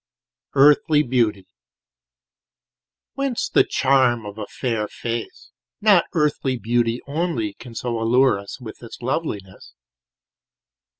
EARTHLY BEAUTY WHENCE the charm of a fair face? Not earthly beauty only Can so allure us with its loveliness.